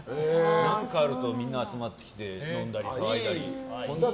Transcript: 何かあるとみんな集まってきて飲んだり騒いだり。